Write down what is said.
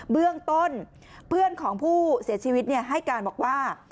เบื้องต้นเพื่อนของผู้เสียชีวิตให้การบอกว่า